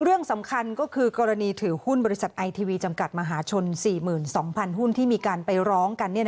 เรื่องสำคัญก็คือกรณีถือหุ้นบริษัทไอทีวีจำกัดมหาชน๔๒๐๐หุ้นที่มีการไปร้องกัน